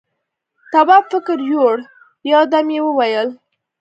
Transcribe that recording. تواب فکر يووړ، يو دم يې وويل: